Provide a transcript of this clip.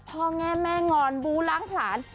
พ่อแง่แม่งอนบู้ล้างกหลาน